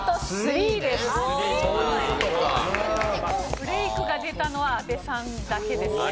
「ぶれいく」が出たのは阿部さんだけですね。